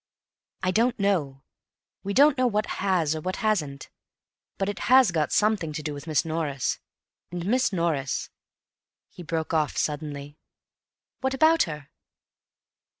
"I don't know. We don't know what has, or what hasn't. But it has got something to do with Miss Norris. And Miss Norris—" He broke off suddenly. "What about her?"